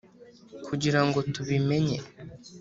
kugira ngo tubimenye,